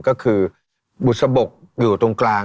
ก็คือบุตรสะบบอยู่ตรงกลาง